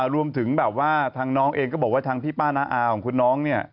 รวมถึงแบบว่าทางน้องเองก็บอกว่าทางพี่ป้าน้าอาของคุณน้องเนี่ย